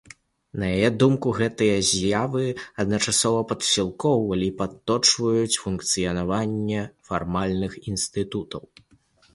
На яе думку, гэтыя з'явы адначасова падсілкоўвалі і падточваюць функцыянаванне фармальных інстытутаў.